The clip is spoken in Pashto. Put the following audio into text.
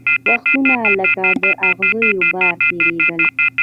وختونه لکه د اغزیو باره تېرېدل